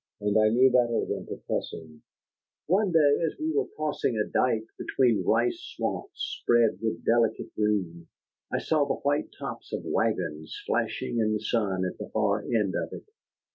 And I knew better than to press him. One day, as we were crossing a dike between rice swamps spread with delicate green, I saw the white tops of wagons flashing in the sun at the far end of it.